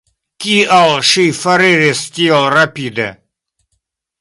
Kial ŝi foriris tiel rapide?